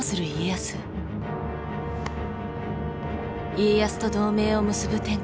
家康と同盟を結ぶ天下人